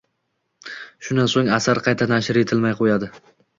Shundan soʻng asar qayta nashr etilmay qoʻyadi